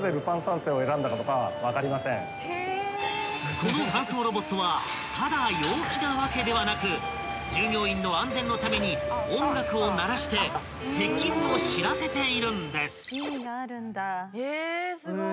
［この搬送ロボットはただ陽気なわけではなく従業員の安全のために音楽を鳴らして接近を知らせているんです］